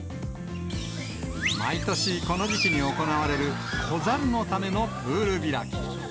毎年この時期に行われる、子猿のためのプール開き。